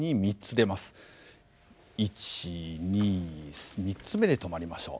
１２３つ目で止まりましょう。